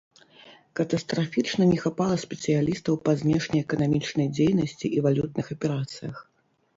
Катастрафічна не хапала спецыялістаў па знешнеэканамічнай дзейнасці і валютных аперацыях.